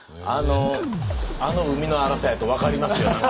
あの海の荒さやと分かりますよ。